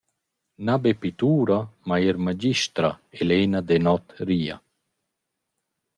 Na be pittura, ma eir magistra Elena Denoth ria.